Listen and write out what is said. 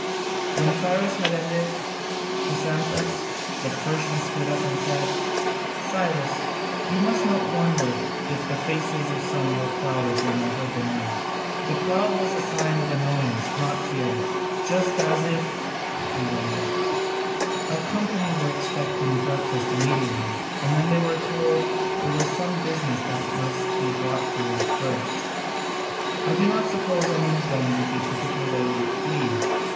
When Cyrus had ended, Chrysantas the Persian stood up and said: "Cyrus, you must not wonder if the faces of some were clouded when they heard the news. The cloud was a sign of annoyance, not of fear. Just as if," he went on, "a company were expecting breakfast immediately, and then were told there was some business that must be got through first, I do not suppose any of them would be particularly pleased.